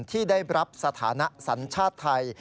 ที่ได้รับสถานะสัญชาติไทย